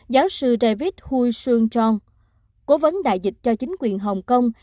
giáo sư david hui shuong chong cố vấn đại dịch cho chính quyền hồng kông